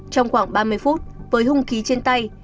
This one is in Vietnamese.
trong khoảng ba mươi phút với hung khí trên tay